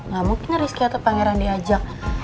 gak mungkin rizky atau pangeran diajak